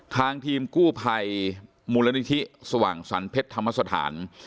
ทางทีมกู้ไพรมุลณิธิสวังสรรเพชรธรรมสธาน